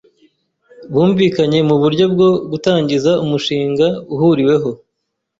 Bumvikanye muburyo bwo gutangiza umushinga uhuriweho.